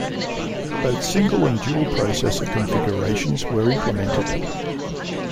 Both single and dual processor configurations were implemented.